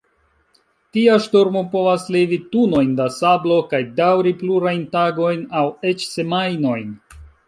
Tia ŝtormo povas levi tunojn da sablo kaj daŭri plurajn tagojn aŭ eĉ semajnojn.